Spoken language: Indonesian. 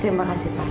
terima kasih pak